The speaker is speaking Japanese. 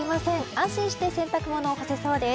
安心して洗濯物を干せそうです。